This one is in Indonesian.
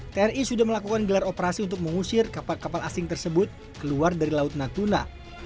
tni sudah melakukan gelar operasi untuk mengusir kapal kapal asing tersebut keluar dari laut natuna